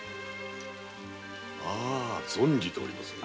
あ存じております。